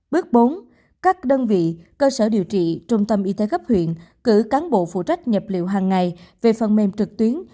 bước bốn các đơn vị cơ sở điều trị trung tâm y tế cấp huyện cử cán bộ phụ trách nhập liệu hàng ngày về phần mềm trực tuyến